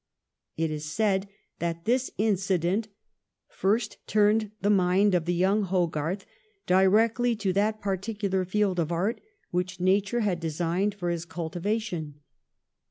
It is said that this incident first turned the mind of the young Hogarth directly to that particular field of art which nature had designed for his cultivation.